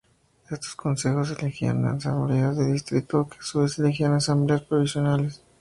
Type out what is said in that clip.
Estos consejos elegían asambleas de distrito, que a su vez elegían asambleas provinciales